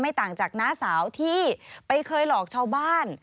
ต่างจากน้าสาวที่ไปเคยหลอกชาวบ้าน